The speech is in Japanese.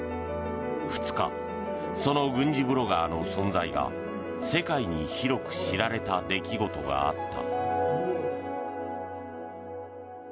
２日、その軍事ブロガーの存在が世界に広く知られた出来事があった。